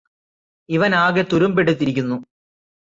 ഇവനാകെ തുരുമ്പെടുത്തിരിക്കുന്നു